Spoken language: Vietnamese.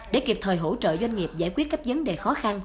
để kịp thời hỗ trợ doanh nghiệp giải quyết các vấn đề khó khăn